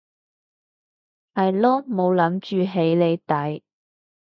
係囉冇諗住起你底